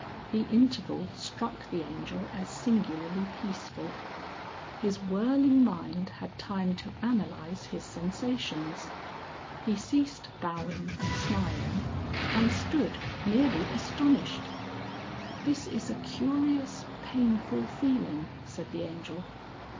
The interval struck the Angel as singularly peaceful. His whirling mind had time to analyse his sensations. He ceased bowing and smiling, and stood merely astonished. "This is a curious painful feeling," said the Angel.